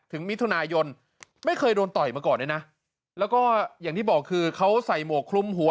มิถุนายนไม่เคยโดนต่อยมาก่อนด้วยนะแล้วก็อย่างที่บอกคือเขาใส่หมวกคลุมหัว